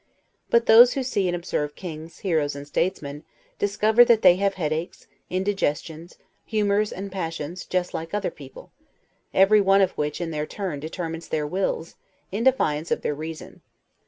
But those who see and observe kings, heroes, and statesmen, discover that they have headaches, indigestions, humors, and passions, just like other people; everyone of which, in their turns, determine their wills, in defiance of their reason.